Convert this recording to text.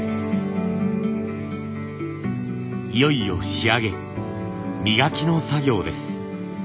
いよいよ仕上げ磨きの作業です。